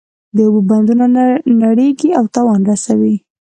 د اوبو بندونه نړیږي او تاوان رسوي.